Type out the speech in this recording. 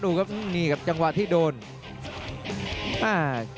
อ้าวทีมแม่กรรมการจุฏิเลยครับ